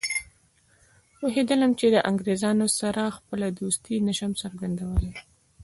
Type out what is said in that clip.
پوهېدلم چې له انګریزانو سره خپله دوستي نه شم څرګندولای.